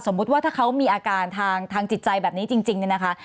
สมมุติว่าถ้าเขามีอาการทางจิตใจแบบนี้จริงนะคะ